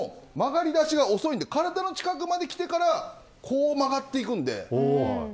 でも曲がりだしが遅いので体の近くまできたからこう曲がっていきます。